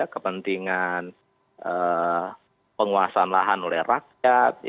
kepentingan penguasaan lahan oleh rakyat